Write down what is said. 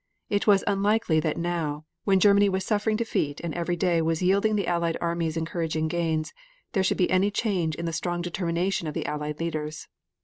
It was unlikely that now, when Germany was suffering defeat and every day was yielding the Allied armies encouraging gains, there should be any change in the strong determination of the Allied leaders.